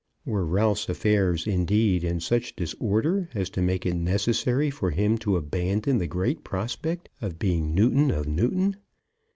Were Ralph's affairs, indeed, in such disorder as to make it necessary for him to abandon the great prospect of being Newton of Newton?